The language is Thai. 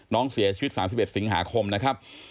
น้องเสียชีวิต๓๑สิงหาคมนะครับ